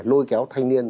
để lôi kéo thanh niên